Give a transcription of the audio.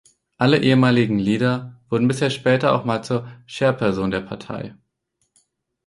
Alle ehemaligen Leader wurden bisher später auch mal zur Chairperson der Partei.